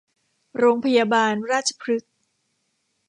โรงพยาบาลราชพฤกษ์